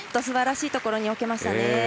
すばらしいところに置きました。